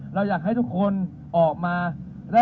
เพราะฉะนั้นสิ่งที่เราจะสื่อสารวันนี้เราสื่อสารกับเพื่อนของพวกเรา